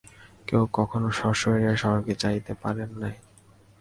কেহ কখনও সশরীরে স্বর্গে যাইতে পারেন নাই।